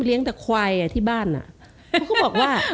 แต่ควายอ่ะที่บ้านอ่ะเขาก็บอกว่า